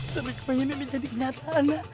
seru kebayang ini jadi kenyataan nak